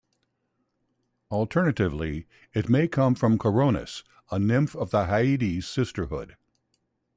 Alternatively, it may come from Coronis, a nymph of the Hyades sisterhood.